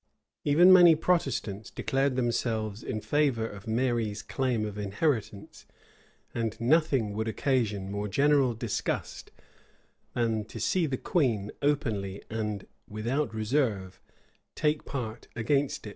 Even many Protestants declared themselves in favor of Mary's claim of inheritance;[*] and nothing would occasion more general disgust, than to see the queen, openly and without reserve, take part against it.